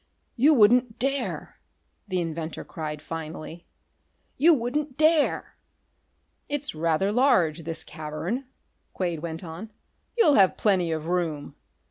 "You wouldn't dare!" the inventor cried finally. "You wouldn't dare!" "It's rather large, this cavern," Quade went on. "You'll have plenty of room.